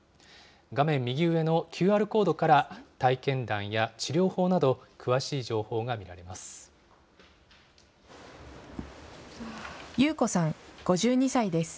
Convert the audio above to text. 画面右上のＱＲコードから、体験談や治療法など、詳しい情報が見られます。